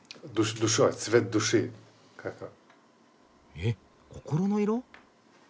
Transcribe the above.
え心の色？